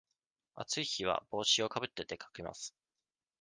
暑い日は帽子をかぶって出かけます。